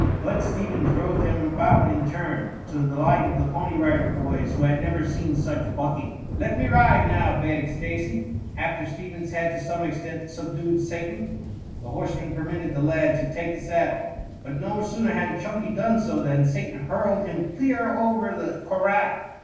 Bud Stevens rode them about in turn, to the delight of the Pony Rider Boys who had never seen such bucking. "Let me ride now," begged Stacy, after Stevens had to some extent subdued Satan. The horseman permitted the lad to take to the saddle, but no sooner had Chunky done so, than Satan hurled him clear over the corral.